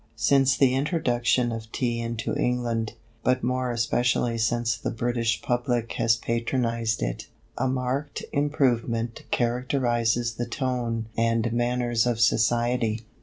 Since the introduction of Tea into England, but more especially since the British public has patronised it, a marked improvement characterises the tone and manners of Society.